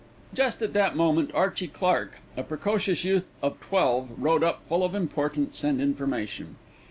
Just at that moment Archie Clark, a precocious youth of twelve, rode up full of importance and information.